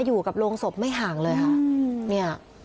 อยู่กับโรงศพไม่ห่างเลยค่ะเนี่ย